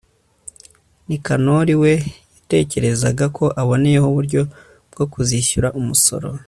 nikanori we, yatekerezaga ko aboneyeho uburyo bwo kuzishyura umusoro